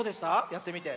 やってみて。